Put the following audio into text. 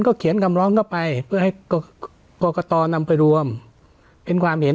ก็เขียนคำร้องเข้าไปเพื่อให้กรกตนำไปรวมเป็นความเห็น